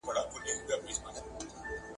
دا بند د کرني د پراختیا لپاره ډېر مهم دی.